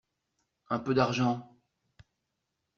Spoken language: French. Un peu d’argent.